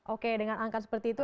oke dengan angka seperti itu